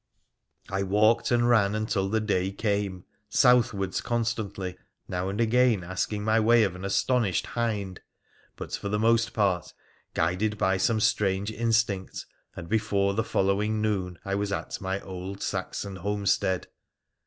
I walked and ran until the day came, southwards constantly, now and again asking my way of an astonished hind, but for the most part guided by some strange instinct, and before the following noon I was at my old Saxon homestead.